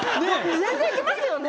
全然いけますよね。